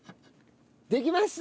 できました！